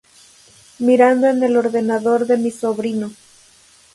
mirando en el ordenador de mi sobrino